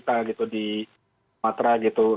terus untuk kif juga mana tahu orang orang di kampung itu